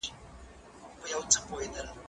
زه مخکي لوبه کړې وه!.